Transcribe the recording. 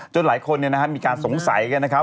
หลายคนมีการสงสัยกันนะครับ